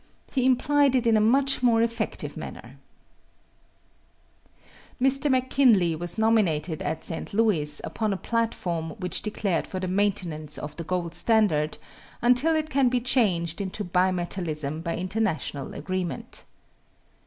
He implied it in a much more effective manner: Mr. McKinley was nominated at St. Louis upon a platform which declared for the maintenance of the gold standard until it can be changed into bimetallism by international agreement.